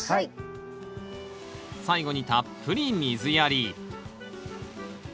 最後にたっぷり水やり。